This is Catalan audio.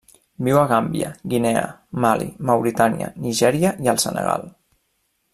Viu a Gàmbia, Guinea, Mali, Mauritània, Nigèria i el Senegal.